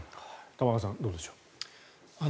玉川さん、どうでしょう。